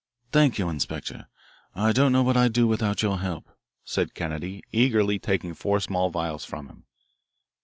"Thank you, Inspector. I don't know what I'd do without your help," said Kennedy, eagerly taking four small vials from him.